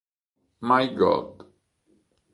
My God